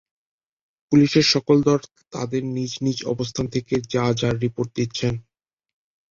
পুলিশের সকল দল তাদের নিজ নিজ অবস্থানে থেকে যা যার রিপোর্ট দিচ্ছেন।